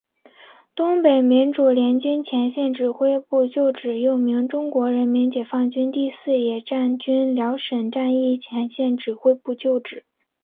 东北民主联军前线指挥部旧址又名中国人民解放军第四野战军辽沈战役前线指挥部旧址。